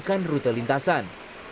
mengalihkan rute lintasan